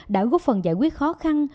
đã góp phần giải quyết khó khăn